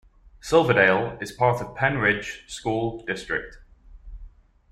Silverdale is part of Pennridge School District.